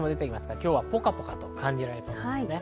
今日はポカポカ感じられそうです。